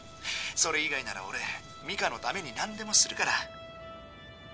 それ以外なら俺ミカのために何でもするから。